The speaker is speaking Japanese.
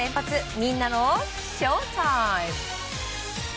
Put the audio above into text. みんなのＳＨＯＷＴＩＭＥ。